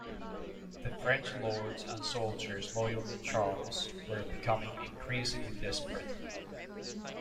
The French lords and soldiers loyal to Charles were becoming increasingly desperate.